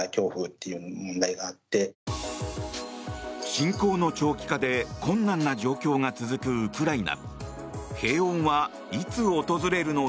侵攻の長期化で困難な状況が続くウクライナ。